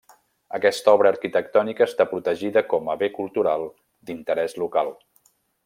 Aquesta obra arquitectònica està protegida com a bé cultural d'interès local.